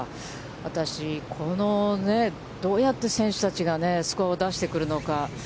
私、このどうやって選手たちがスコアを出してくるのか。